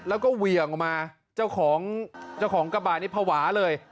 แล้วก็เหวี่ยงออกมาเจ้าของเจ้าของกระบะนี่ภาวะเลย